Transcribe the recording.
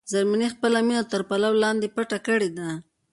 زرمینې خپله مینه تر پلو لاندې پټه کړې ده.